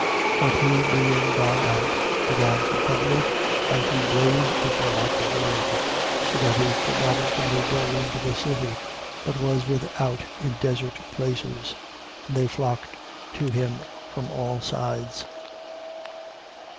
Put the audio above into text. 1:45. But he being gone out, began to publish and to blaze abroad the word: so that he could not openly go into the city. but was without in desert places. And they flocked to him from all sides.